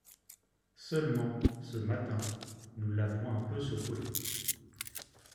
Seulement, ce matin, nous l'avons un peu secoué.